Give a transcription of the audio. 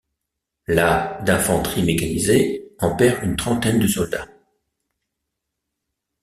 La d’infanterie mécanisée en perd une trentaine de soldats.